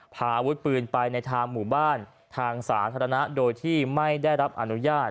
พาอาวุธปืนไปในทางหมู่บ้านทางสาธารณะโดยที่ไม่ได้รับอนุญาต